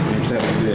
bisa begitu ya